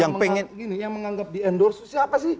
yang menganggap di endorse siapa sih